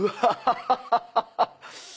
ハハハハハ！